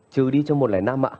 trừ đi cho một lẻ năm ạ